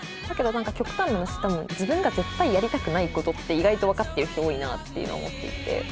だけど極端な話多分自分が絶対やりたくないことって意外と分かってる人多いなっていうのは思っていて。